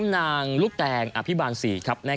นางลูกแตงอภิบาลศรีครับ